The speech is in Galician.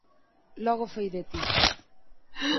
Logo foi detido.